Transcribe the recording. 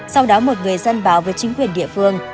sau đó một người dân báo với chính quyền địa phương